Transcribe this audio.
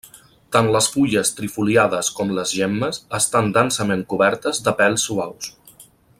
Tant les fulles trifoliades com les gemmes, estan densament cobertes de pèls suaus.